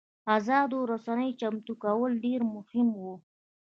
ازادو رسنیو چمتو کول ډېر مهم وو.